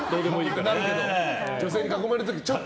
女性に囲まれるとちょっと。